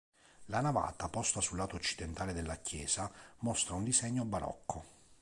La navata, posta sul lato occidentale della chiesa, mostra un disegno barocco.